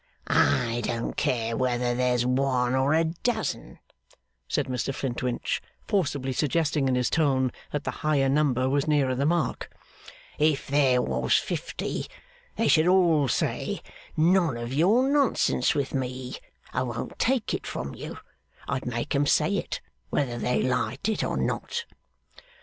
'I don't care whether there's one or a dozen,' said Mr Flintwinch, forcibly suggesting in his tone that the higher number was nearer the mark. 'If there was fifty, they should all say, None of your nonsense with me, I won't take it from you I'd make 'em say it, whether they liked it or not.